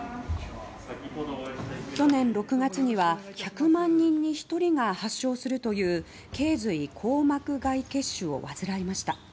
去年６月には１００万人に１人が発症するという頸髄硬膜外血腫を患いました。